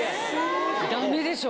ダメでしょ。